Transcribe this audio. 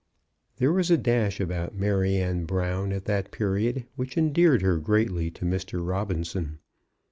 There was a dash about Maryanne Brown at that period which endeared her greatly to Mr. Robinson.